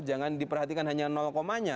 jangan diperhatikan hanya komanya